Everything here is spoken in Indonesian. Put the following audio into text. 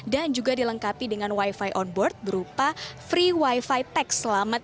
dan juga dilengkapi dengan wifi on board berupa free wifi text selama tiga puluh menit